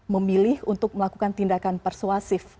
memilih untuk melakukan tindakan persuasif